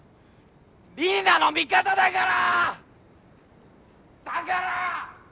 李里奈の味方だから‼だから！